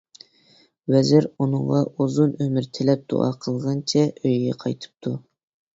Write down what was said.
ۋەزىر ئۇنىڭغا ئۇزۇن ئۆمۈر تىلەپ دۇئا قىلغىنىچە ئۆيىگە قايتىپتۇ.